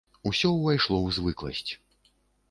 Усё ўвайшло ў звыкласць.